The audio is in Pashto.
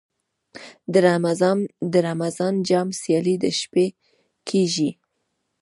د رمضان جام سیالۍ د شپې کیږي.